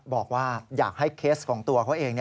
บอกว่าอยากให้เคสของตัวเขาเอง